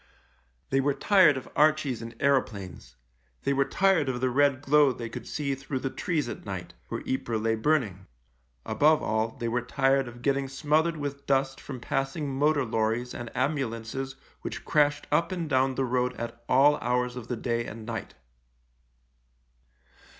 They were tired of Archies and aeroplanes : they were tired of the red glow they could see through the trees at night — where Ypres lay burning ; above all, they were tired of getting smothered with dust from passing motor lorries and ambulances which crashed up and down the road at all hours of the day and night.